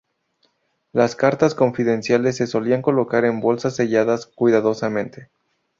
Las cartas confidenciales se solían colocar en bolsas selladas cuidadosamente.